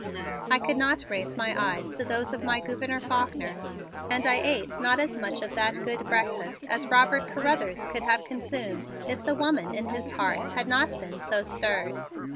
I could not raise my eyes to those of my Gouverneur Faulkner and I ate not as much of that good breakfast as Robert Carruthers could have consumed if the woman in his heart had not been so stirred.